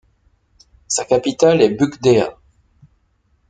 Sa capitale est Bukedea.